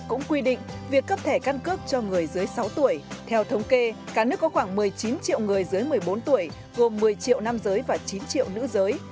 cũng quy định việc cấp thẻ căn cước cho người dưới sáu tuổi theo thống kê cả nước có khoảng một mươi chín triệu người dưới một mươi bốn tuổi gồm một mươi triệu nam giới và chín triệu nữ giới